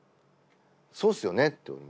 「そうっすよね」って俺も。